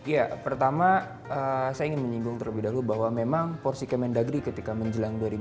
ya pertama saya ingin menyinggung terlebih dahulu bahwa memang porsi kementerian dari dari ketika menjelang dua ribu sembilan belas